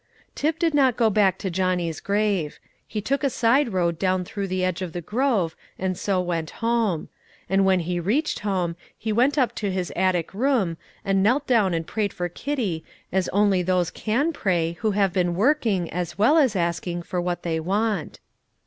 Tip did not go back to Johnny's grave; he took a side road down through the edge of the grove, and so went home; and when he reached home, he went up to his attic room, and knelt down and prayed for Kitty as only those can pray who have been working as well as asking for what they want.